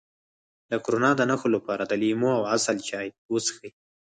د کرونا د نښو لپاره د لیمو او عسل چای وڅښئ